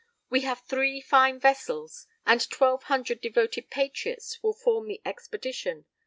We have three fine vessels; and twelve hundred devoted patriots will form the expedition.